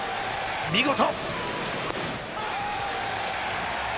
見事！